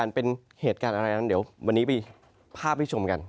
ว่าจะเป็นเหตุการณ์อะไรนะเดี๋ยววันนี้ไปผ้าผิดชมกัน